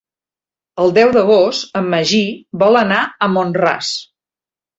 El deu d'agost en Magí vol anar a Mont-ras.